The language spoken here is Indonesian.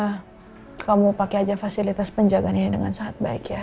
kok kamu pakai aja fasilitas penjaganya dengan sangat baik ya